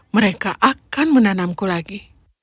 mereka akan menanamku lagi